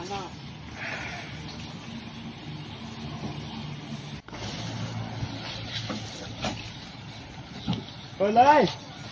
โดยเลย